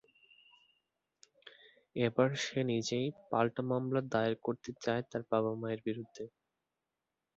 এবার সে নিজেই পাল্টা মামলা দায়ের করতে চায় তার বাবা-মায়ের বিরুদ্ধে।